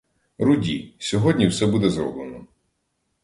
Руді, сьогодні все буде зроблено.